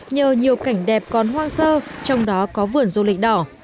nhờ nhiều cảnh đẹp còn hoang sơ trong đó có vườn du lịch đỏ